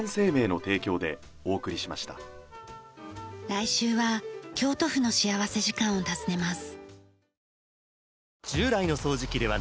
来週は京都府の幸福時間を訪ねます。